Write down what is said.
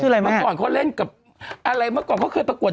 เมื่อก่อนเขาเล่นกับอะไรเมื่อก่อนเขาเคยประกวด